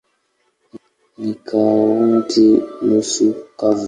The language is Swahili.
Ni kaunti nusu kavu.